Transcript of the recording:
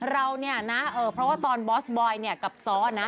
เราเนี่ยนะเพราะว่าตอนบอสบอยเนี่ยกับซ้อนะ